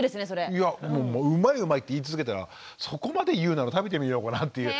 いや「うまいうまい」って言い続けてたらそこまで言うなら食べてみようかなっていう。